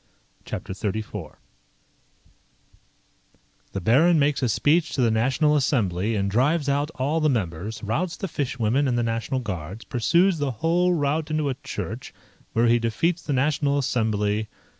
CHAPTER XXXIV _The Baron makes a speech to the National Assembly, and drives out all the members Routs the fishwomen and the National Guards Pursues the whole rout into a Church, where he defeats the National Assembly, &c.